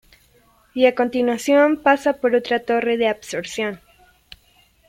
Y a continuación pasa por otra torre de absorción.